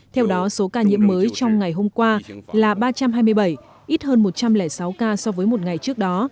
theo đó số ca nhiễm mới trong ngày hôm qua là ba trăm hai mươi bảy ít hơn một trăm linh sáu ca so với một ngày trước đó